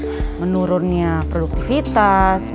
misalnya menurunnya produktivitas menurunnya kegiatan